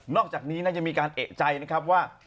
อกจากนี้นะยังมีการเอกใจนะครับว่า